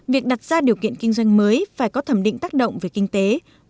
việc đặt ra điều kiện kinh doanh mới phải có thẩm định tác động về kinh tế